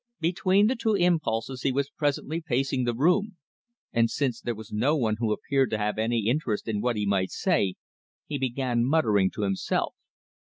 Between the two impulses he was presently pacing the room; and since there was no one who appeared to have any interest in what he might say, he began muttering to himself.